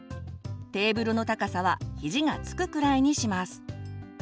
テーブルの高さは肘がつくくらいにします。